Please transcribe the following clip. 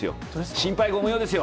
心配ご無用ですよ！